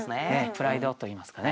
プライドといいますかね。